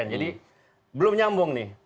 jadi belum nyambung nih